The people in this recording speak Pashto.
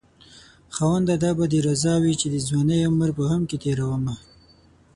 خاونده دا به دې رضا وي چې د ځوانۍ عمر په غم کې تېرومه